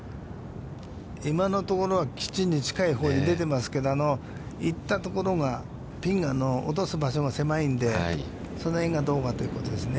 今のところは、吉に近いほうに出てますけど、行ったところが、ピンが落とす場所が狭いんで、その辺がどうかということですね。